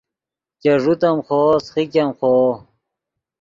چے ݱوت ام خوو سیخیګ ام خوو